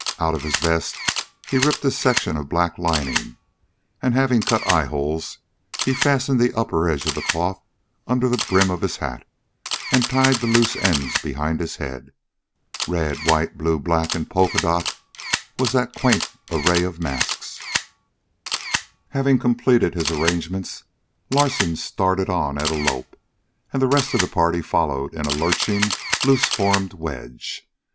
Out of his vest he ripped a section of black lining, and, having cut eyeholes, he fastened the upper edge of the cloth under the brim of his hat and tied the loose ends behind his head. Red, white, blue, black, and polka dot was that quaint array of masks. Having completed his arrangements, Larsen started on at a lope, and the rest of the party followed in a lurching, loose formed wedge.